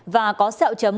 và có sẹo chấm